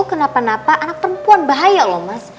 kenapa napa anak perempuan bahaya loh mas